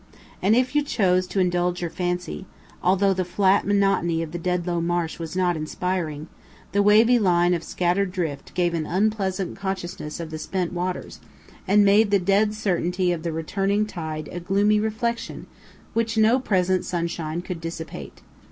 And if you choose to indulge your fancy although the flat monotony of the Dedlow Marsh was not inspiring the wavy line of scattered drift gave an unpleasant consciousness of the spent waters, and made the dead certainty of the returning tide a gloomy reflection which no present sunshine could dissipate.